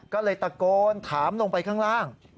ก็เลยตะโกนถามลงไปข้างล่าง